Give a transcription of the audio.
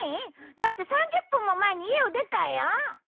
だって３０分も前に家を出たよ。